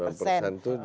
sembilan persen itu juga